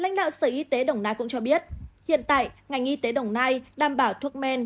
lãnh đạo sở y tế đồng nai cũng cho biết hiện tại ngành y tế đồng nai đảm bảo thuốc men